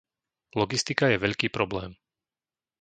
Logistika je veľký problém.